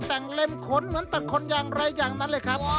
แต่งเล็มขนเหมือนตัดขนอย่างไรอย่างนั้นเลยครับ